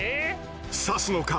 ⁉刺すのか？